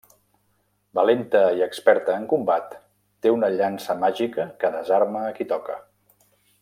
Valenta i experta en combat, té una llança màgica que desarma a qui toca.